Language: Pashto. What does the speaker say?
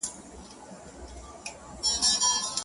o سکون مي ستا په غېږه کي شفا دي اننګو کي,